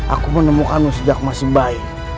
aku menemukanmu sejak masih bayi